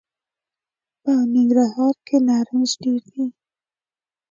په ننګرهار کي نارنج ډېر دي .